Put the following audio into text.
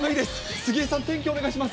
杉江さん、天気をお願いします。